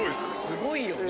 すごいよね。